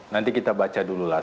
nanti kita baca dululah